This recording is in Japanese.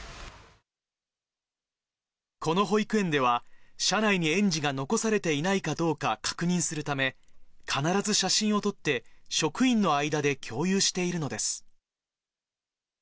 この保育園では、車内に園児が残されていないかどうか確認するため、必ず写真を撮って、職員の間で共有しているのです。